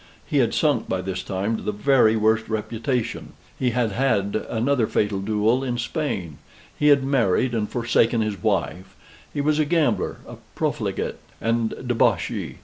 He had sunk by this time to the very worst reputation; he had had another fatal duel in Spain; he had married, and forsaken his wife; he was a gambler, a profligate, and debauchee.